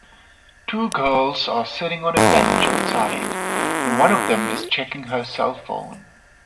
Two girls are sitting on a bench outside, and one of them is checking her cellphone.